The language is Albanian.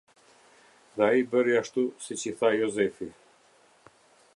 Dhe ai bëri ashtu siç i tha Jozefi.